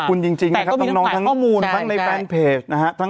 แต่ก็มีทั้งข้อมูลทั้งในแฟนเพจนะฮะ